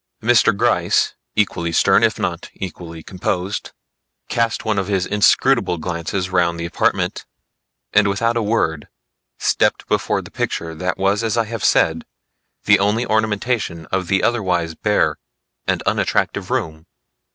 Mr. Gryce equally stern, if not equally composed, cast one of his inscrutable glances round the apartment and without a word stepped before the picture that was as I have said, the only ornamentation of the otherwise bare and unattractive room.